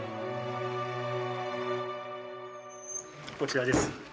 こちらです。